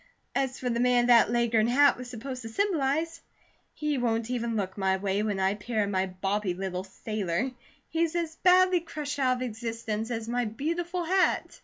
As for the man that Leghorn hat was supposed to symbolize, he won't even look my way when I appear in my bobby little sailor. He's as badly crushed out of existence as my beautiful hat."